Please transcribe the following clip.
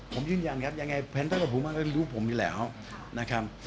ผมยืนยันครับยังไงแผนเตอร์กับผมมันก็รู้ผมอยู่แล้วนะครับ